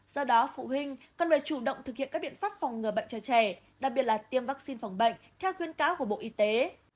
do đó phụ huynh cần phải chủ động thực hiện các biện pháp phòng ngừa bệnh cho trẻ đặc biệt là tiêm vaccine phòng bệnh theo khuyên cáo của bộ y tế